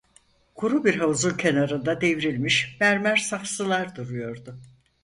Kuru bir havuzun kenarında devrilmiş mermer saksılar duruyordu.